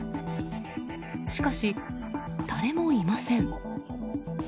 しかし誰もいません。